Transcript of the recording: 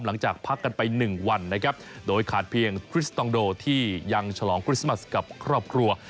หลังจากพักกันไป๑วันนะครับโดยขาดเพียงคริสตองโดที่ยังฉลองคริสต์มัสกับครอบครัว